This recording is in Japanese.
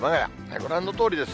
ご覧のとおりです。